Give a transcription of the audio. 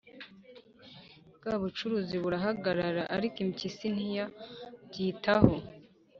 bwa bucuruzi burahagarara ariko impyisi ntiyabyitaho.